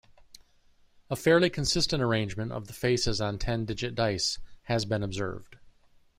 A fairly consistent arrangement of the faces on ten-digit dice has been observed.